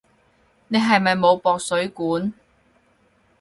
你係咪冇駁水管？